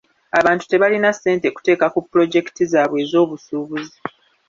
Abantu tebalina ssente kuteeka ku pulojekiti zaabwe ez'eby'obusuubuzi.